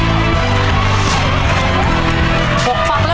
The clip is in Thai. เอาเลยลุกถักถีกลงออกถีกเลย